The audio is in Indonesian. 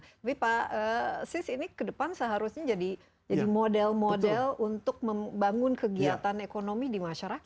tapi pak sis ini ke depan seharusnya jadi model model untuk membangun kegiatan ekonomi di masyarakat